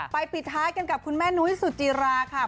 ปิดท้ายกันกับคุณแม่นุ้ยสุจิราค่ะ